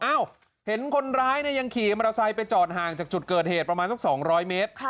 เห็นคนร้ายเนี่ยยังขี่มอเตอร์ไซค์ไปจอดห่างจากจุดเกิดเหตุประมาณสัก๒๐๐เมตร